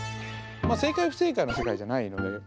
まあ正解不正解の世界じゃないので。